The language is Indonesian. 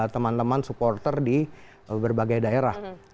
teman teman supporter di berbagai daerah